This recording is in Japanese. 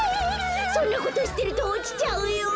そんなことしてるとおちちゃうよ！